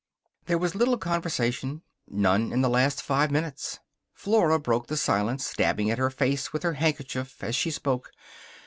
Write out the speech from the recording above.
There was little conversation. None in the last five minutes. Flora broke the silence, dabbing at her face with her handkerchief as she spoke.